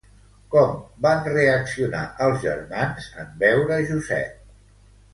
Com van reaccionar els germans en veure Josep?